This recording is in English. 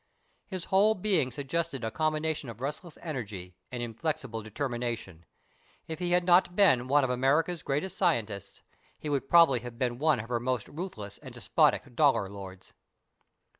His whole being suggested a combination of restless energy and inflexible determination. If he had not been one of America's greatest scientists, he would probably have been one of her most ruthless and despotic Dollar Lords.